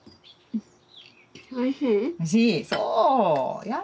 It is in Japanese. おいしい？